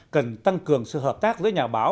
cần tăng cường sự hợp tác giữa nhà báo